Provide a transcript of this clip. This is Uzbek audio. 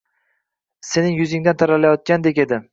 Sening yuzingdan taralayotgandek edi.